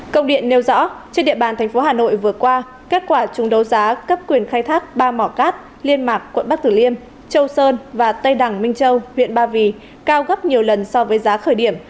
công điện nêu rõ trên địa bàn thành phố hà nội vừa qua kết quả chung đấu giá cấp quyền khai thác ba mỏ cát liên mạc quận bắc tử liêm châu sơn và tây đằng minh châu huyện ba vì cao gấp nhiều lần so với giá khởi điểm